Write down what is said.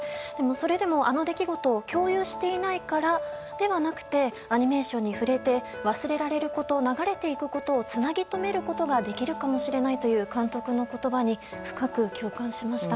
それでもあの出来事を共有していないからではなくてアニメーションに触れて忘れられること流れていくことをつなぎとめることができるかもしれないという監督の言葉に深く共感しました。